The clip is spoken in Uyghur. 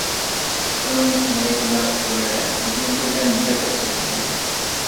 ئۇنىڭ كېڭەيتمە ئۇچۇرلىرى بىزنىڭكى بىلەن بەك ئوخشايتتى.